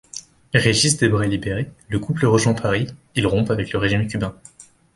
Régis Debray libéré, le couple rejoint Paris, ils rompent avec le régime cubain.